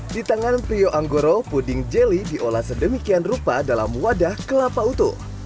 di tangan prio anggoro puding jeli diolah sedemikian rupa dalam wadah kelapa utuh